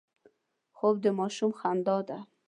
خوب د ماشوم خندا ده